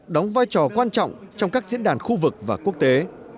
đóng vai trò quan trọng trong các diễn đàn khu vực và quốc tế